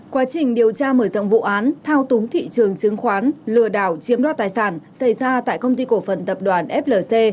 quá trình điều tra mở rộng vụ án thao túng thị trường chứng khoán lừa đảo chiếm đo tài sản xảy ra tại công ty cổ phần tập đoàn flc